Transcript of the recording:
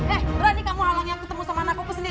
eh berani kamu halangi aku ketemu sama anakku sendiri